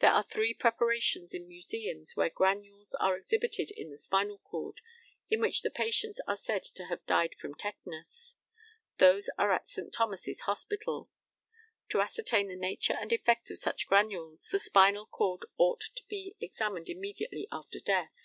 There are three preparations in museums where granules are exhibited in the spinal cord, in which the patients are said to have died from tetanus. Those are at St. Thomas's Hospital. To ascertain the nature and effect of such granules the spinal cord ought to be examined immediately after death.